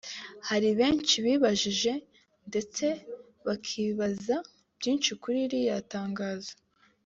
Hari benshi bibajije ndetse bakibaza byinshi kuri ririya tangazo